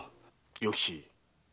与吉。